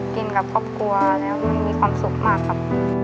กับครอบครัวแล้วมันมีความสุขมากครับ